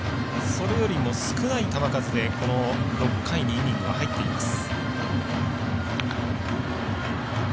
それよりも少ない球数でこの６回にイニング入っています。